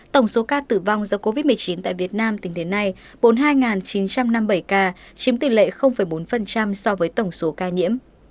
tổng số ca tử vong do covid một mươi chín tại việt nam tính đến nay bốn mươi hai chín trăm năm mươi bảy ca chiếm tỷ lệ bốn so với tổng số ca nhiễm